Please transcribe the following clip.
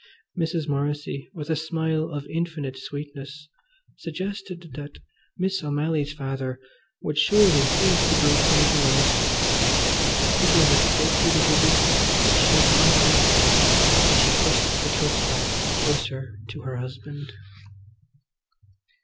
Mrs. Morrissy, with a smile of infinite sweetness, suggested that Miss O'Malley's father would surely feed the brute when it arrived. "It was a filthy little beast," said she brightly; and she pushed the toast rack closer to her husband.